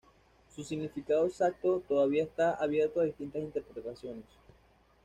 Su significado exacto todavía está abierto a distintas interpretaciones.